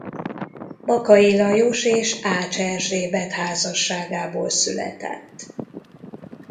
Bakay Lajos és Ács Erzsébet házasságából született.